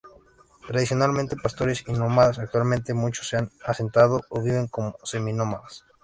Tradicionalmente pastores y nómadas, actualmente muchos se han asentado o viven como semi-nómadas.